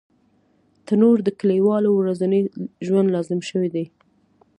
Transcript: تنور د کلیوالو ورځني ژوند لازم شی دی